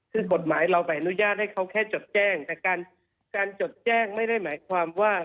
คือกฎหมายเราไปอนุญาตให้เขาแค่จดแจ้งแต่การจดแจ้งไม่ได้หมายความว่า